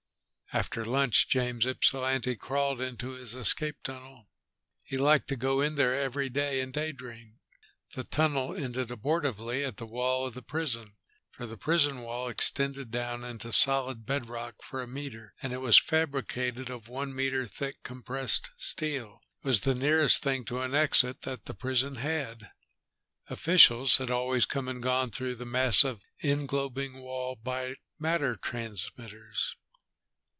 After lunch, James Ypsilanti crawled into his escape tunnel. He liked to go in there every day and daydream. The tunnel ended abortively at the wall of the prison, for the prison wall extended down into solid bed rock for a meter, and it was fabricated of one meter thick compressed steel. It was the nearest thing to an exit that the prison had. Officials had always come and gone through the massive, englobing wall by matter transmitters.